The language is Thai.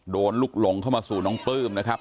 โดนลุกหลงเข้ามาสู่น้องปลื้มนะครับ